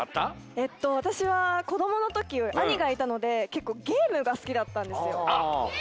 えっとわたしはこどものときあにがいたのでけっこうゲームがすきだったんですよ。